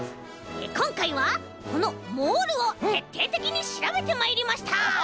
こんかいはこのモールをてっていてきにしらべてまいりました！